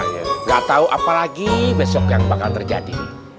tidak tahu apa lagi besok yang bakal terjadi